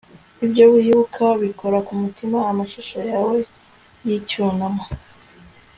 ibyo wibuka bikora ku mutima, amashusho yawe y'icyunamo